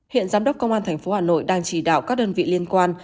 hiện giám đốc công an tp hà nội đang chỉ đạo các đơn vị liên quan